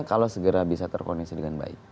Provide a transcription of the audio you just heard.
kalau segera bisa terkoneksi dengan baik